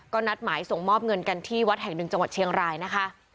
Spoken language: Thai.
ก็นัดหมายส่งมอบเงินกันที่วัดแห่งหนึ่งจังหวัดเชียงรายนะคะ